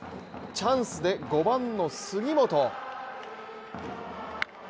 チャンスで５番の杉本。